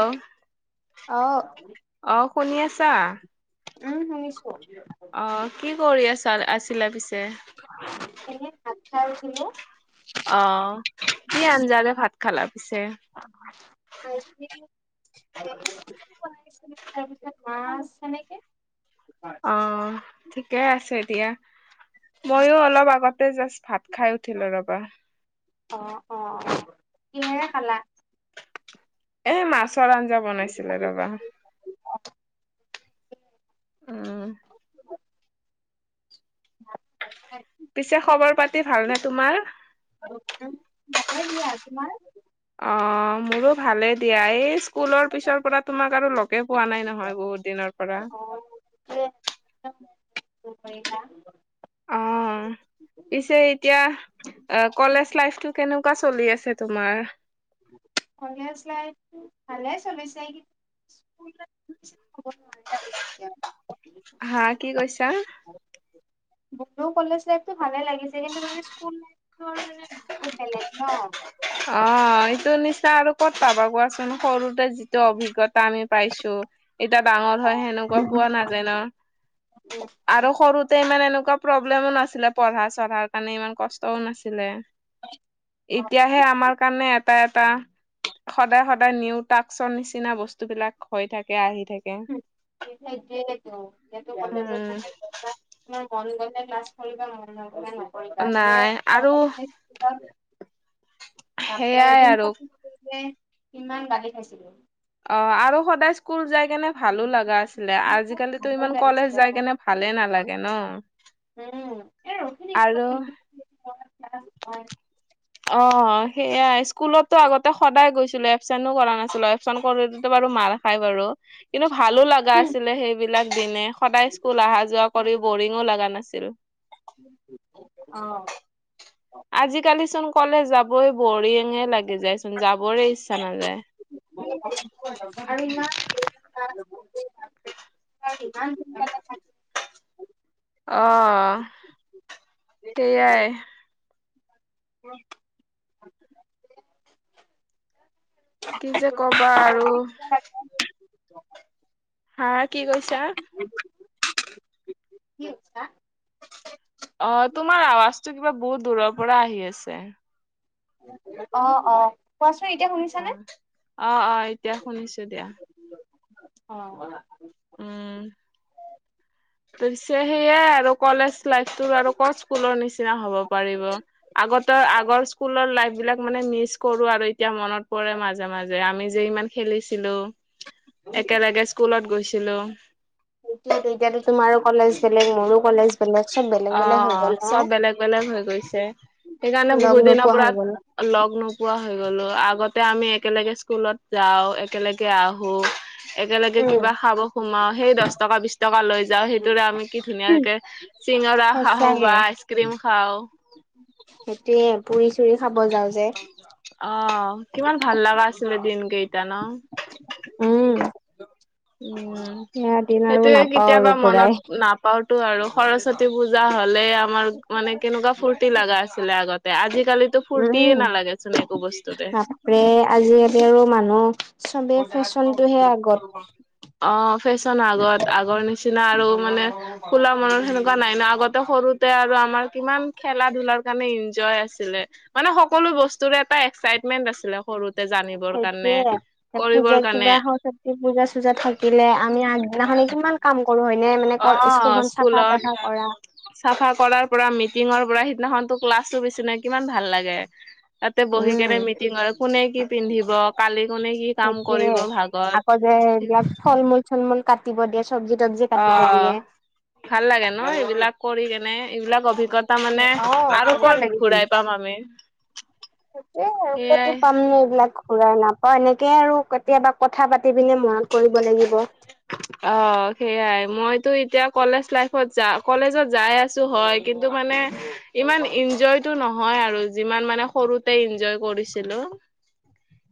অ, অহ অ শুনি আছা? উম শুনিছো অ কি কৰি আছ, আছিলা পিছে? এনেই ভাত খাই আছিলোঁ। অ, কি আঞ্জাৰে ভাত খালা পিছে? [unintelligible] আছিলে, তাৰপিছত মাছ সেনেকে। অ ঠিকে আছে দিয়া। ময়ো অলপ আগতে জাষ্ট ভাত খাই উঠিলো ৰবা। অ অ কিহেৰে খালা। এ মাছৰ আঞ্জা বনাইছিলে ৰবা। [inaudible] উম। [unintelligible] পিছে খবৰ পাতি ভাল নে তোমাৰ। আৰু উম। ভালে দিয়া তোমাৰ। অ মোৰো ভালে দিয়া এই স্কুলৰ পিছৰ পৰা তোমাক আৰু লগে পোৱা নাই নহয় বহুত। দিনৰ পৰা। অ [unintelligible] অ। পিছে এতিয়া অ কলেজ লাইফটো কেনেকুৱা চলি আছে তোমাৰ। কলেজ লাইফটো ভালে চলিছে [unintelligible] হা কি কৈছা? মোৰ কলেজ লাইফটো ভালে লাগিছে কিন্তু মানে স্কুল লাইফটো আৰু মানে বহুত বেলেগ ন। অ এইটো নিচিনা আৰু ক'ত পাবা কোৱাচোন। সৰুতে যিটো অভিজ্ঞতা আমি পাইছো এতিয়া ডাঙৰ অ হয় সেনেকুৱা পোৱা না যায় ন। উম। আৰু সৰুতে ইমান এনেকুৱা প্ৰব্লেমো নাছিলে পঢ়া চঢ়াৰ কাৰণে ইমান কষ্টও নাছিলে। অ এতিয়াহে আমাৰ কাৰণে এটা এটা। সদায় সদায় নিউ টাস্কৰ নিচিনা বস্তু বিলাক হৈ থাকে আহি থাক উম সেইটোৱে ত [unintelligible] উম, তাতে কিবা। তোমাৰ মন গ'লে ক্লছ কৰিবা মন নগলে নাই। [unintelligible] তাকে সেইয়াই আৰু। কিমান গালি খাইছিলো। অ আৰু সদায় স্কুল যাইকেনে। ভালো লগা আছিলে আজিকালিতো ভালো ইমান কলেজ লাগিছিলে যাই কেনে ভালে মোৰ। নালাগে ন। উম। এ ৰখি আৰু। থাকিব লাগিব ক্লাছ হয়। অ সেয়াই স্কুলতো আগতে সদায় গৈছিলো এবচেনো কৰা নাছিলো এবচেণ্ট কৰিলেতো বাৰু মাৰ। খাই বাৰু কিন্তু ভালো লগা আছিলে সেইবিলাক দিনে। সদায় স্কুল অহা যোৱা কৰি বৰিঙো লগা নাছিল। অহ। আজিকালি চোন কলেজ যাবই বৰিঙে লাগি যায় চোন যাবৰে ইচ্ছা নাযায়। [unintelligible] বাপৰে। ইমান উৎপাত দেখাইছ অ সেইয়াই। [unintelligible] কি যে কবা আৰু। হা কি কৈছা। কি কৈছা? অ তোমাৰ আৱাজটো কিবা বহুত দূৰৰ পৰা আহি আছে। অ' অ' কোৱাছোন এতিয়া শুনিছোঁ। আ অ' অ' এতিয়া শুনিছো দিয়া। অ', উম, তো পিছে সেয়াই আৰু কলেজ লাইফটো আৰু কত স্কুলৰ নিচিনা হব পাৰিব। আগত আগৰ স্কুলৰ লাইফ বিলাক মানে মিচ কৰো আৰু এতিয়া মনত পৰে মাজে মাজে আমি যে ইমান খেলিছিলো, একেলগে স্কুলত গৈছিলোঁ। সেইটোৱে টো এতিয়াটো তোমাৰো কলেজ বেলেগ মোৰো কলেজ। বেলেগ চব বেলেগ বেলেগ হৈ অ' গ'ল ন? চব বেলেগ বেলেগ হৈ গৈছে সেইকাৰণে লগ বহুত দিনৰ নোপোৱা পৰা হৈ গ'ল লগ নোপোৱা হৈ গ'লো, আগতে আমি একেলগে স্কুলত যাওঁ এ একেলগে আহোঁ একেলগে উম। কিবা খাব সোমাও সেই দহ টকা বিশ টকা লৈ যাওঁ সেইটোৰে আমি কি ধুনীয়াকে চিঙৰা খাও সঁচাকে। বা আইচক্ৰীম খাও। সেইটোৱে পুৰি চুৰি খাব যাওঁ যে অ' কিমান ভাল লগা আছিলে দিন কেইটা ন? উম, উম, সেয়া দিন আৰু সেইটোৱে নাপাও আৰু কেতিয়াবা ঘূৰাই। মনত নাপ নাপাওতো আৰু সৰস্বতী পূজা হলে আমাৰ মানে কেনেকুৱা ফূৰ্তি লগা আছিলে আগতে আজিকালিতো ফূুৰ্তিয়ে নালাগে চোন একো বস্তুৰে। প্ৰে আজিকালি আৰু মানুহ চবে ফেশ্বনটোহে আগত। অ' ফেশ্বন আগত আগৰ নিচিনা আৰু মানে খোলা মনত সেনেকুৱা নাই ন আগত সৰুতে আৰু আমাৰ কিমান খেলা ধুলাৰ কাৰণে ইনজয় আছিলে। মানে সকলো বস্তুৰে এটা এক্সাইটমেন্ট আছিলে সৰুতে জানিবৰ কাৰণে সেইটোয়ে। কৰিবৰ পূজা কিবা কাৰণে সৰস্বতী পূজা চূজা থাকিলে আমি আগদিনাখনে কিমান কম কৰো হয়নে মানে ক, স্কু অ', স্কুলখন চাফা স্কুলত তাফা কৰা। চাফা কৰাৰ পৰা মিটিঙৰ পৰা সিদিনাখন তো ক্লাছটো বেছি নাই কিমান ভাল লাগে। তাতে বহি কেনে উম মিটিং হয় কোনে কি পিন্ধিব কালি কোনে কি কাম সেইটোয়ে কৰিব ভাগত আকৌ যে এইয়াত ফল মূল চল মূল কাটিব দিয়ে চবজি তাবজি। অ' ভাল লাগে ন এইবিলাক কৰি কেনে এইবিলাক অভিজ্ঞ জ্ঞাতা মানে অ আৰু বহুত ভাল ক'ত লাগিছিল ঘূৰাই পাম আমি। এই সেইয়াই কতো পাম ন এইবিলাক। ঘুৰাই নাপাওঁ এনেকে আৰু কেতিয়াবা কথা পাতি পিনে মনত কৰিব লাগিব। অ' সেইয়াই মইতো এতিয়া কলেজ লাইফত য কলেজত যাই আছো হয় কিন্তু মানে ইমান ইনজয়টো নহয় আৰু যিমান মানে সৰুতে ইনজয় কৰিছিলো।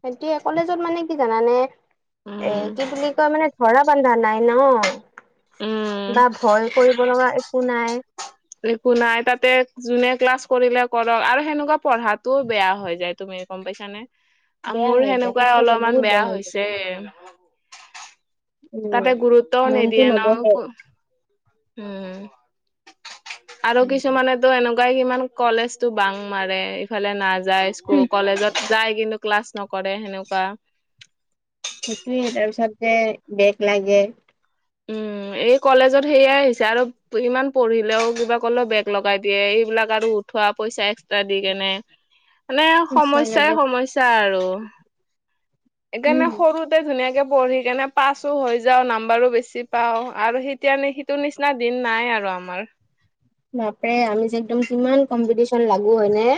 এতিয়া কলেজত মানে কি জানানে এ উম। কি বুলি কয় মানে ধৰা বান্ধা নাই ন, উম বা ভয় কৰিব লগা একো নাই। একো নাই তাতে যোনে ক্লাছ কৰিলে কৰক আৰু সেনেকুৱা পঢ়াতটোও বেয়া হৈ যায়। তুমি গম পাইছা নে বেয়া মোৰ হৈ যায় সেনেকুৱাই সঁচাকে অলপমান বহুত বেয়া হৈ যায় হৈছে। উম তাতে গুৰুত্বও মনটো নিদিয়ে ন নবহে কো উম, আৰু উম কিছুমানে তো এনেকুৱাই কিমান কলেজটো বাং মাৰে ইফালে নাযায় স্কু কলেজত যায় কিন্তু ক্লাছ নকৰে সেনেকুৱা - সেইটোয়ে তাৰপিছত যে বেগ লাগে - উ, এই কলেজত সেয়াই আহিছে আৰু - ইমান পঢ়িলেও কিবা কলেও বেগ লগাই দিয়ে এইবিলাক আৰু উঠোৱা পইচা এক - দি কিনে, মানে সঁচাকে দে সমস্যায়ে সমস্যা আৰু - সেইকাৰণে উম সৰুতে ধুনীয়াকে পঢ়ি কেনে পাছো হৈ যাও নাম্বাৰো বেছি। বুজি পাওঁ। আৰু সেতিয়া নিচিনা, সেইটো নিচিনা দিন নাই আৰু আমাৰ। বাপৰে আমি যে একদম কিমান কম্পিটিচন লাগো হয় নে।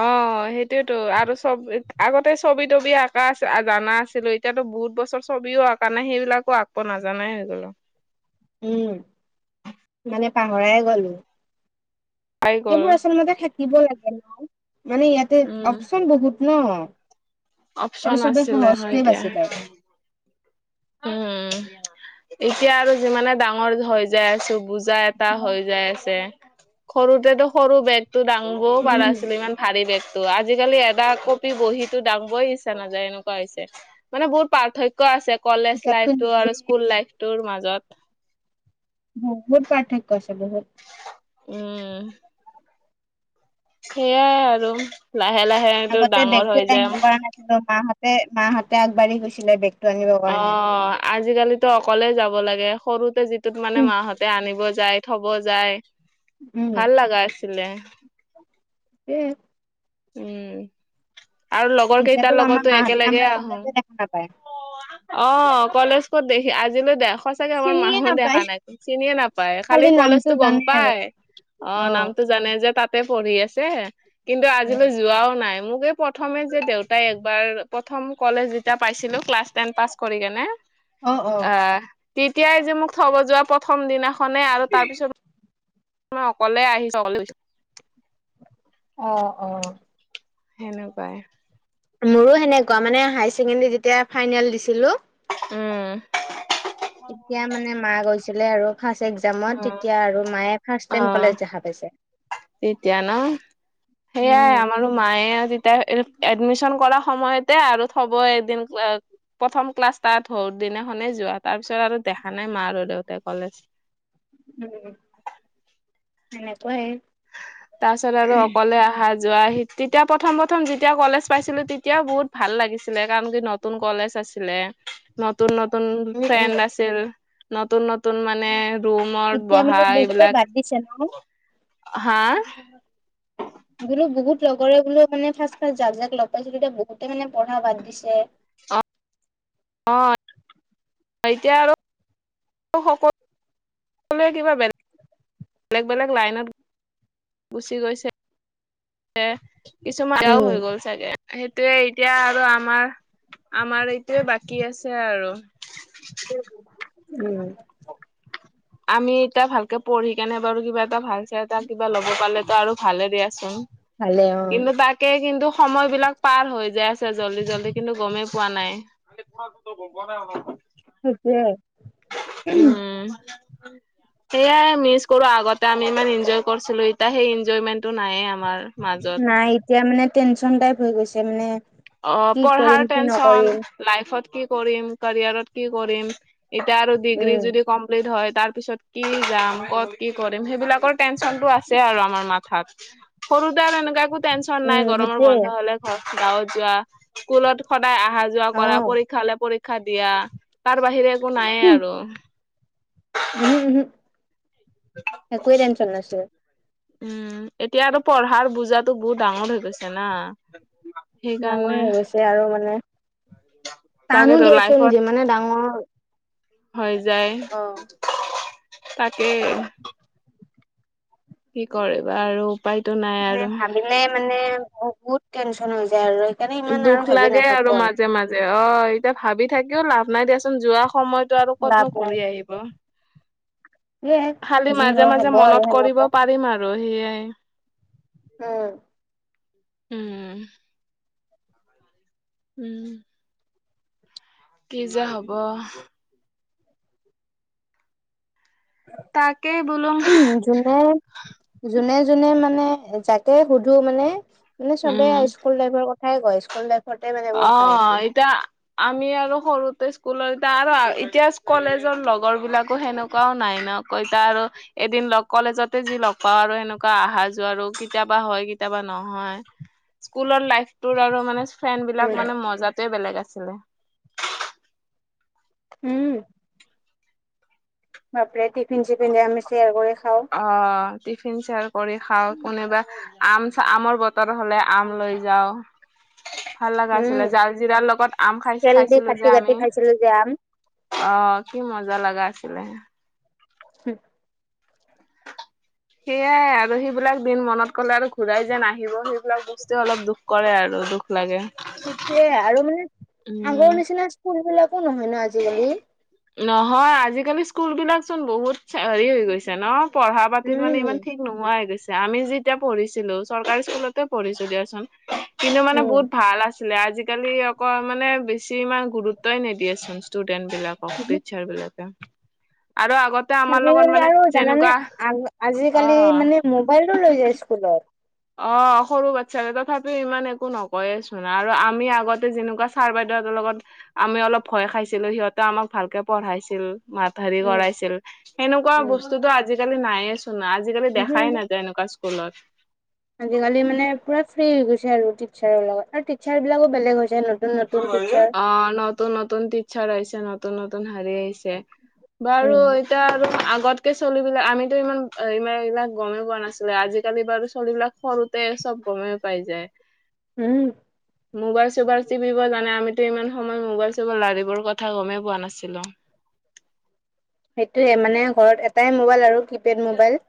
অহ', - সেইটোয়েটো। আৰু চবি আগতে চবি-তবি আঁকা জনা আছিলো। এতিয়াতো বহুত বছৰ ছবিও আকা নাই সেইবিলাকো আকিব নাজানাই হৈ গ'লো। উম মানে পাহৰাই গ'লো। পাই গ'ল সেইবোৰ আচলতে থাকিব লাগে ন, মানে ইয়াতে উম অপচন বহুত ন। অপচন আৰু চবেই আছিলে হয় সহজটোৱে আছিল আৰু। উমঁ। এতিয়া আৰু যিমানে ডাঙৰ হৈ যাই আছো বুজি বোজা এটা এতিয়া হৈ যাই আছে। সৰুতেটো সৰু বেগতটো দাঙবও পাৰা উম, নাছিলো ইমান- ভাৰী বেগতটো। আজিকালি এটা কপি বহিতো দাঙিব বই ইচছা নাযায় এনেকুৱা হৈছে। মানে বহুত পাৰ্থক্য আছে কলেজ কিতাপটো লাইফতটো আৰু নিদিলেই স্কুল লাইফটোৰ মাজত। হয়। বহুত পাৰ্থক্য আছে বহুত। উমঁ। সেইয়াই আৰু লাহে-লাহেটো ডাঙৰ হৈ যাম। মাঁহতে-মাঁহতে আগবাঢ়ি গৈছিলে বেগ অঁহ ', -আজিকালিটো অকলে যাব লাগে সৰুতে যিটোত মানে উম মাঁহতে আনিব যায়। থব যায় ভাল লগা আছিলে। কি- উমঁ। আৰু লগৰ এতিয়াতো কেইটাৰ আমাৰ লগতো মাহঁতে একেলগে আমাৰ আহো। কলেজে দেখা নাপায় অঁ', - কলেজ ক'ত দেখি আজিলৈ দে- চাগে আমাৰ চিনিয়ে মাঁহো দেখা নাপায় নাই, চিনিও নাপায়, খালি নামটো কলেজতো গম জানে আৰু পাই। অ অহ', -নামটো- জানে যে তা'তে পঢ়ি আছে, কিন্তু উম আজিলৈ যোৱাও নাই। মোক এই প্ৰথমে যে দেউতাই একবাৰ প্ৰথম কলেজ যেতিয়া পাইছিলো ক্লাছ টেন পাছ কৰি কিনে। অ অ অহ', - তেতিয়াই যে মোক থব যোৱা প্ৰথম দিনাখনে আৰু তাৰ পিছত- মই অকলে আহিছো অকলে। অঁহ ', -অঁহ ',। সেনেকুৱাই। মোৰো সেনেকুৱা। মানে হাই ছেকেণ্ডাৰী যেতিয়া ফাইনেল দিছিলো। উমঁ। তেতিয়া মানে মাঁয়ে গৈছিলে আৰু। ফাৰ্ষ্ট এক্জামত অ' তেতিয়া আৰু মাঁয়ে ফাৰ্ষ্ট টাইম কলেজ দেখা পাইছে। এতিয়া ন। সেইয়াই উম। আমাৰো- মাঁয়ে তেতিয়া এডমিশন কৰা সময়তে আৰু থব এদিন যাওঁতে। প্ৰথম ক্লাছ তা'ত দিনাখনে যোৱা তাৰ পিছত আৰু দেখা নাই মাঁ আৰু দেউতাই কলেজ। উম' এনেকুৱাই। তাৰ পিছত আৰু অকলে অহা যোৱা সেই। তেতিয়া প্ৰথম-প্ৰথম যেতিয়া কলেজ পাইছিলো তেতিয়াও বহুত ভাল লাগিছিলে কাৰণ কি নতুন কলেজ আছিলে। নতুন-নতুন উম, উম, ফ্ৰেণ্ড আছিল। নতুন-নতুন মানে- ৰুমত এতিয়া মানে বহা বহুতে এইবিলাক। বাদ দিছে ন? হা? মোৰো বহুত লগৰে বোলো মানে ফাৰ্ষ্ট, ফাৰ্ষ্ট জাক, জাক লগ পাইছিলোঁ এতিয়া বহুতে মানে পঢ়া বাদ দিছে। অ', অ'এতিয়া আৰু সক সকলোৱে কিবা বেলে- বেলেগ, বেলেগ লাইনত গুচি গৈছে। কিছুমান [unintelligible] হৈ গ'ল চাগে। সেইটোয়েই এতিয়া আৰু আমাৰ, আমাৰ এইটোয়ে বাকী আছে আৰু। উম, আমি এতিয়া ভালকে পঢ়ি কিনে বাৰু কিবা এটা ভাল চাই এটা কিবা ল'ব পালে তো আৰু ভালেই দিয়াচোন। কিন্ত তাক তাকে কিন্তু সময় বিলাক পাৰ হৈ যাই আছে জল্দি, জল্দি কিন্তু গমেই পোৱা নাই। [unintelligible] সেইটোৱে। উম, সেয়াই মিছ কৰো আগতে আমি ইমান ইনজয় কৰিছিলোঁ এতিয়া সেই ইনজয়মেন্টটো নাইয়ে আমাৰ মাজত। নাই এতিয়া মানে টেনচন টাইপ হৈ গৈছে মানে কি কৰিম অ'পঢ়াৰ কি টেনচন। নকৰিম। লাইফত কি কৰিম, কৰিয়াৰত কি কৰিম এতিয়া আৰু ডিগ্ৰী উম, যদি কম হয় তাৰ পিছত কি যাম ক'ত কি কৰিম ক'ত কৰিম সেইবিলাকৰ টেনচনটো আছে আৰু আমাৰ মাথাত। সৰু দাৰএনে একো টেনচন উম, নাই গৰমৰ সেইটোয়ে বন্ধ হ'লে ঘৰ গাঁৱত যোৱা স্কুলত সদায় আহা- যো যোৱা কৰা অ'। পৰীক্ষালে পৰীক্ষা দিয়া তাৰ বাহিৰে একো নায়ে উম, আৰু। [unintelligible] একোৱে টেনচন নাছিল। উম, এতিয়া আৰু পঢ়াৰ বুজাতো বহুত ডাঙৰ হৈ গৈছে না ডাঙৰ সেইকাৰণে হৈ গৈছে আৰু মানে টানো তাকেতো দিয়াছোন লাইফত যি মানে ডাঙৰ হৈ যায় অ'। তাকে। কি কৰিবা আৰু উপায়টো নাই আৰু প্ৰায় মানে বহুত টেনচন হৈ যায় আৰু সেইকাৰণে ইমান দুখ আৰু ভাবি লাগে আৰু নাথাকো মাজে, মাজে অ' এতিয়া ভাবি থাকিও লাভ নাই দিয়াচোন যোৱা সময়ত ত 'আৰু লাভ ক'তনো নাই ঘূৰি আহিব। সেয়ে খালি যি মাজে, হয় মাজে হ'ব আৰু মনত কৰিব সেনেকুৱা। পাৰিম আৰু সেয়াই। উম, উম, উম, কি যে হ'ব। তাকেই বোলো উম, যোনে যোনে, যোনে মানে যাকে সুধো মানে, মানে [unintelligible] চবে উম স্কুল লাইৰ কত কথাই কয় স্কুল টাইপ ইভ অ' এতিয়া আমি আৰু সৰুতে স্কুলৰ এতিয়া আৰু এতিয়া কলেজৰ লগৰ বিলাকো সেনেকুৱাও নাই ন'। কৈতা আৰু এদিন লগ কলেজতে যি লগ পাওঁ আৰু হেনেকুৱা আহা যোৱা আৰু কেতিয়াবা হয়, কেতিয়াবা নহয়। স্কুলৰ লাইফটোৰ আৰু মানে ফ্ৰেন্ড উম, বিলাক মানে মজোৱে বেলেগ আছিলে। উম, বাপৰে টিফিন চিফিন যে আমি শেয়াৰ কৰি খাওঁ। অ টিফিন শেয়াৰ কৰি খাওঁ কোনোবা আম আমৰ বতৰ হলে আম লৈ যাওঁ। ভাল লগা উম, আছিলে জাল জিৰাৰ লগত আম খাই তেল দি খাইছিলো কাটি যে কাটি আমি খাইছিলোঁ যে আম অ কি মজা লগা আছিলে। হু সেয়াই আৰু সেইবিলাক দিন মনত ক'লে আৰু ঘূৰাই যেন নাহিব সেইবিলাক বস্তুৱে অলপ দুখ কৰে আৰু দুখ। লাগে সেইটোয়ে আৰু মানে আগৰ উম। নিচিনা স্কুল বিলাকো নহয় ন আজিকালি। নহয় আজিকালি স্কুল বিলাক চোন বহুত হেৰি হৈ গৈছে ন পঢ়া পাতিত মানে উম, ইমান ঠিক নোহোৱাই হৈ গৈছে আমি যেতিয়া পঢ়িছিলো চৰকাৰী স্কুলতে পঢ়িছো দিয়াচোন। কিন্তু মানে উম। বহুত ভাল আছিল। আছিলে আজিকালি অক মানে বেছি ইমান গুৰুত্বই নিদিয়েচোন ষ্টুডেন্ট বিলাক। অ টিচাৰ বিলাকে আৰু আগত খেলিমেলি আৰু জানানে আ আজিকালি অ মানে মোবাইলো লৈ যায় স্কুলত। অ সৰু বাচ্ছা তথাপিও ইমান একো নকয়েচোন আৰু আমি আগতে যেনেকুৱা ছাৰ বাইদেউহঁতৰ লগত আমি অলপ ভয় খাইছিলো সিহঁতে আমাক ভালকে পঢ়াইছিল। মাত হেৰি উম, কৰাইছিল সেনেকুৱা উম। বস্তুটো আজিকালি নাইে চোন আজিকালি উহু, দেখাই নাই। তেনেকোৱা স্কুলত। আজিকালি মানে পুৰা ফ্ৰী হৈ গৈছে আৰু টিচাৰৰ লগত আৰু টিচাৰ বিলাকো বেলেগ হৈ যায় ন। অ', নত নতুন -নতুন টিচাৰ আহিছে নতুন- নতুন হাৰী আহিছে বাৰু উম। এতিয়া আৰু আগতকে চলিবিলাক আমিতো ইমান এইবিলাক- এইবিলাক গমে পোৱা নাছিলে আজিকালি বাৰু চলিবিলাক সৰুতে চব গমে পাই যায়। হম। মোবাইল চোবাইল টিপিব জানে আমিতো ইমান সময় মোবাইল চোবাইল এইবোৰ কথা গমে পোৱা নাছিলোঁ। সেইটোয়ে মানে ঘৰত এটাই মোবাইল আৰু কিপেড মোবাইল।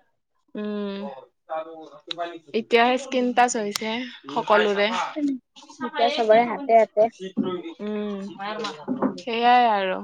উম, এতিয়াহে স্কিন টাচ হৈছে সকলোৰে। চাফায়ে এতিয়া চবৰে খাব হাতে হাতে নি [unintelligible] উম, সেয়াই আৰু।